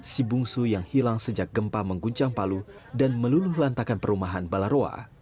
si bungsu yang hilang sejak gempa mengguncang palu dan meluluh lantakan perumahan balaroa